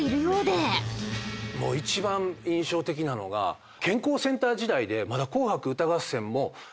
一番印象的なのが健康センター時代でまだ。